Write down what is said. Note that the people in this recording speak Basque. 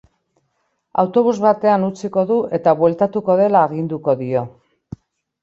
Autobus batean utziko du eta bueltatuko dela aginduko dio.